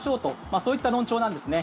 そういった論調なんですね。